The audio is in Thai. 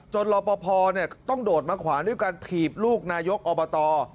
รอปภต้องโดดมาขวางด้วยการถีบลูกนายกอบต